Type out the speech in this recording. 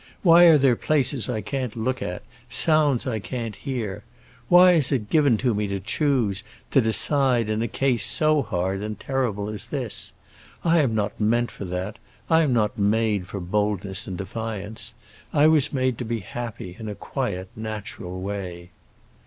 Why are there places I can't look at, sounds I can't hear? Why is it given to me to choose, to decide, in a case so hard and so terrible as this? I am not meant for that—I am not made for boldness and defiance. I was made to be happy in a quiet, natural way."